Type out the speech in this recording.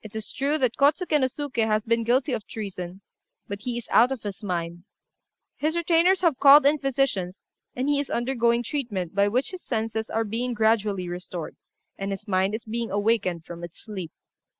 It is true that Kôtsuké no Suké has been guilty of treason, but he is out of his mind; his retainers have called in physicians, and he is undergoing treatment by which his senses are being gradually restored, and his mind is being awakened from its sleep.